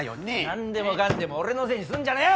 何でもかんでも俺のせいにすんじゃねぇ！